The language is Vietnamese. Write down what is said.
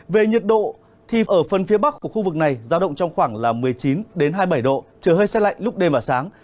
về nhiệt độ thì ở phần phía bắc của khu vực này giao động trong khoảng một mươi chín hai mươi bảy độ trời hơi xe lạnh lúc đêm và sáng